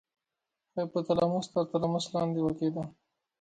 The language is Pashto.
هایپو تلاموس تر تلاموس لاندې واقع دی.